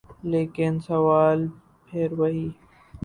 لیکن سوال پھر وہی۔